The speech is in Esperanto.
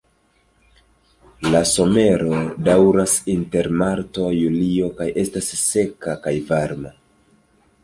La somero daŭras inter marto-julio kaj estas seka kaj varma.